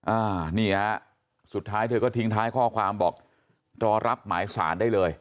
อ่านี่ฮะสุดท้ายเธอก็ทิ้งท้ายข้อความบอกรอรับหมายสารได้เลย